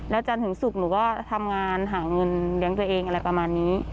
จันทร์ถึงศุกร์หนูก็ทำงานหาเงินเลี้ยงตัวเองอะไรประมาณนี้